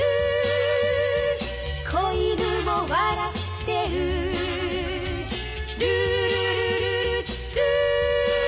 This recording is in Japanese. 「小犬も笑ってる」「ルールルルルルー」